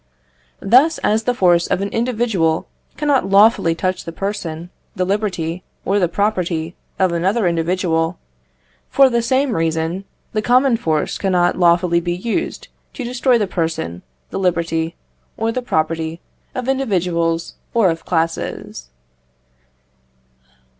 Thus, as the force of an individual cannot lawfully touch the person, the liberty, or the property of another individual for the same reason, the common force cannot lawfully be used to destroy the person, the liberty, or the property of individuals or of classes.